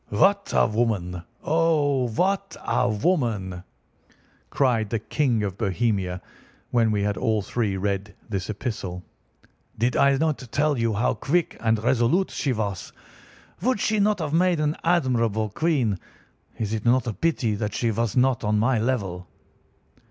"What a woman—oh, what a woman!" cried the King of Bohemia, when we had all three read this epistle. "Did I not tell you how quick and resolute she was? Would she not have made an admirable queen? Is it not a pity that she was not on my level?"